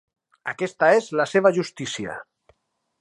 Aquesta és la seva "justícia".